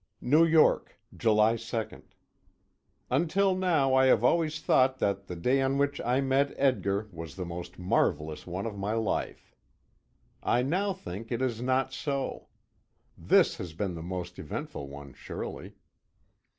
New York, July 2. Until now I have always thought that the day on which I met Edgar was the most marvellous one of my life. I now think it is not so. This has been the most eventful one surely.